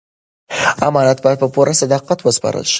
امانت باید په پوره صداقت وسپارل شي.